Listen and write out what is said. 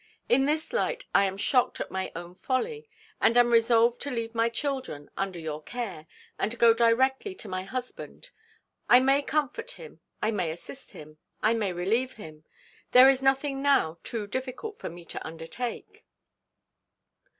In this light I am shocked at my own folly, and am resolved to leave my children under your care, and go directly to my husband. I may comfort him. I may assist him. I may relieve him. There is nothing now too difficult for me to undertake."